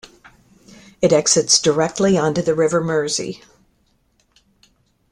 It exits directly onto the River Mersey.